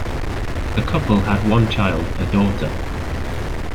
The couple had one child, a daughter.